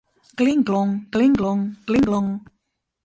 — Глиҥ-глоҥ, глиҥ-глоҥ, глиҥ-глоҥ...